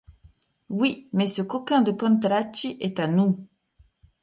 Oui, mais ce coquin de Pantalacci est à nous!